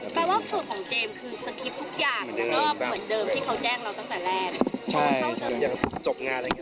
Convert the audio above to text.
แต่ว่าส่วนของเจมส์คือกิจทุกอย่าง